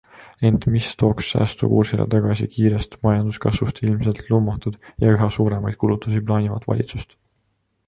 Ent mis tooks säästukursile tagasi kiirest majanduskasvust ilmselgelt lummatud ja üha suuremaid kulutusi plaanivat valitsust?